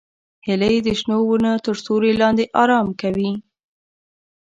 هیلۍ د شنو ونو تر سیوري لاندې آرام کوي